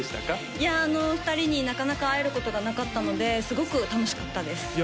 いや２人になかなか会えることがなかったのですごく楽しかったですいや